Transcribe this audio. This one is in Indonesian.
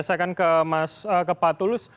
saya akan ke pak tulus